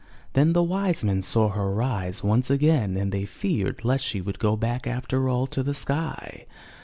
Then the wise men saw her rise once again and they feared lest she would go back after all to the sky.